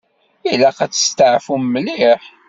Ilaq ad testeɛfum mliḥ.